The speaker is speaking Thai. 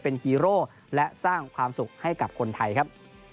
เป็นฮีโร่และสร้างความสุขให้กับคนไทยครับ